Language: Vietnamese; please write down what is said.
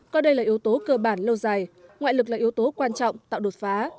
coi đây là yếu tố cơ bản lâu dài ngoại lực là yếu tố quan trọng tạo đột phá